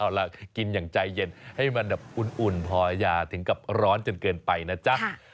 เอาล่ะกินอย่างใจเย็นให้มันแบบอุ่นพอยาถึงกับร้อนจนเกินไปนะจ๊ะ